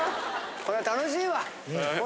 こりゃ楽しいわ。